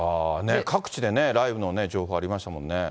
各地でね、雷雨の情報、ありましたものね。